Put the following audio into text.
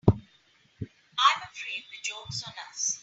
I'm afraid the joke's on us.